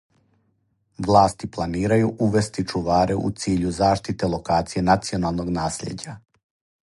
Власти планирају увести чуваре у циљу заштите локација националног наслијеđа.